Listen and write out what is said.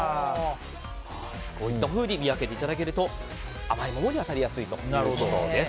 こういったふうに見分けていただけると甘いものに当たりやすいということです。